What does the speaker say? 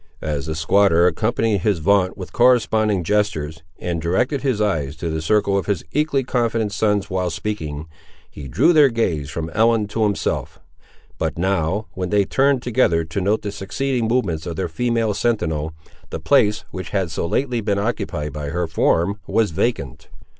As the squatter accompanied his vaunt with corresponding gestures, and directed his eyes to the circle of his equally confident sons while speaking, he drew their gaze from Ellen to himself; but now, when they turned together to note the succeeding movements of their female sentinel, the place which had so lately been occupied by her form was vacant.